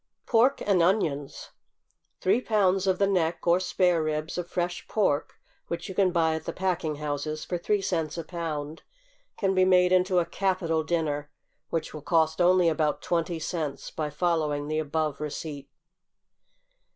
=Pork and Onions.= Three pounds of the neck, or spare ribs, of fresh pork, which you can buy at the packing houses for three cents a pound, can be made into a capital dinner, which will cost only about twenty cents, by following the above receipt.